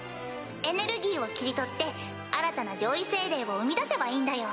エネルギーを切り取って新たな上位精霊を生み出せばいいんだよ。